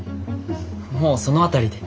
もうその辺りで。